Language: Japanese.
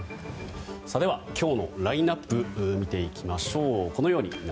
今日のラインアップ見ていきましょう。